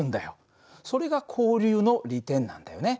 それが交流の利点なんだよね。